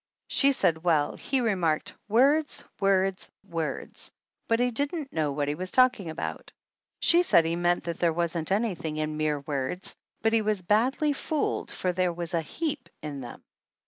She said well, he remarked "words, words, words," but he didn't know what he was talking about. She said he meant that there wasn't anything in mere words, but he was badly fooled, for there was a heap in them.